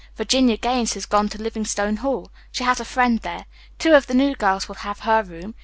Virginia Gaines has gone to Livingstone Hall. She has a friend there. Two of the new girls will have her room.